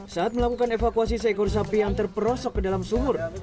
saat melakukan evakuasi seekor sapi yang terperosok ke dalam sumur